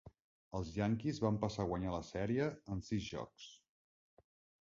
Els Yankees van passar a guanyar la sèrie en sis jocs.